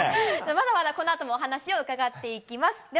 まだまだこのあともお話を伺います。